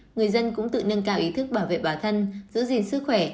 người dân cũng tự nâng cao ý thức bảo vệ bản thân giữ gìn sức khỏe